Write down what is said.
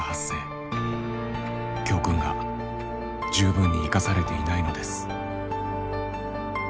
教訓が十分に生かされていないのです。